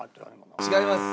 違います。